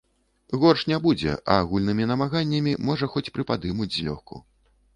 Горш не будзе, а агульнымі намаганнямі, можа, хоць прыпадымуць злёгку.